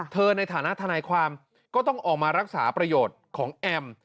ในฐานะทนายความก็ต้องออกมารักษาประโยชน์ของแอม